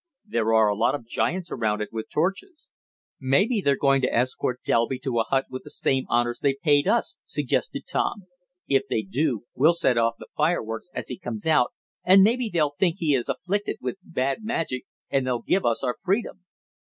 "There are a lot of giants around it with torches." "Maybe they're going to escort Delby to a hut with the same honors they paid us," suggested Tom. "If they do, we'll set off the fireworks as he comes out and maybe they'll think he is afflicted with bad magic, and they'll give us our freedom."